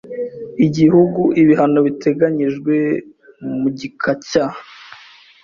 Igihugu ibihano biteganyijwe mu gika cya